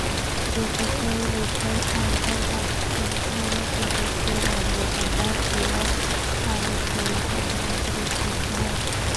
গতকাল বুধবার খাইবার পাখতুনখাওয়া প্রদেশের অ্যাবোটাবাদ জেলার পার্বত্য এলাকায় বিমানটি বিধ্বস্ত হয়।